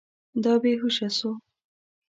دا بې هوشه سو.